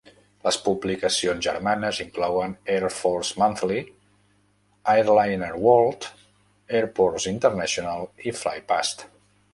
Les publicacions germanes inclouen Air Forces Monthly, Airliner World, Airports International i FlyPast.